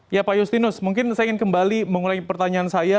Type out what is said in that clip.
ya pak justinus mungkin saya ingin kembali mengulangi pertanyaan saya